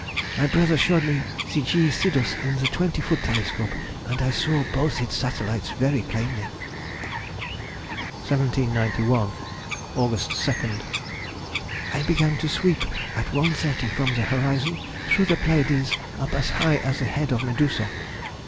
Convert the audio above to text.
My brother showed me the G. Sidus in the twenty foot telescope, and I saw both its satellites very plainly. 1791. Aug. 2nd.—I began to sweep at 1.30, from the horizon through the Pleiades up as high as the head of Medusa.